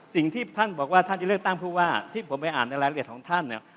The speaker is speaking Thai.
สิ่งที่ท่านบอกว่าท่านจะเลือกตั้งผู้ว่าที่ผมไปอ่านในรายละเอียดของท่านเนี่ย